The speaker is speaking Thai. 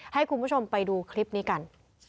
ให้คุณผู้ชมไปดูคลิปนี้กัน